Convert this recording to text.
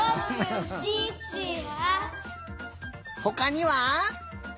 ほかには？